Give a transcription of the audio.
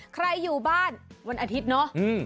ใครอยู่บ้านวันอาทิตย์เนาะ